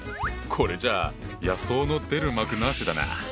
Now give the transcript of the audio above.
これじゃあ野草の出る幕なしだな。